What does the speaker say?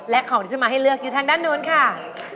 และของที่จะมาให้เลือกอยู่ทางด้านนู้นค่ะ